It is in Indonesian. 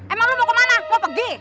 emang lo mau kemana gue pergi